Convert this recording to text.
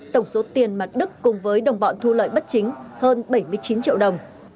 tổng số tiền mà đức cùng với đồng bọn thu lợi bất chính hơn bảy mươi chín triệu đồng